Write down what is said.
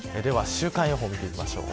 今日の予報を見ていきましょう。